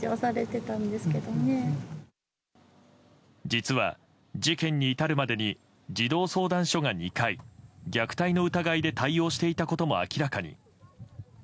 実は、事件に至るまでに児童相談所が２回、虐待の疑いで対応していたことも明らかに。